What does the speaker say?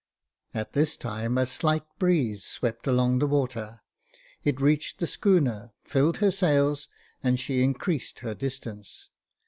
At this time a slight breeze swept along the water. It reached the schooner, filled her sails, and she increased her distance.